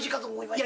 いや。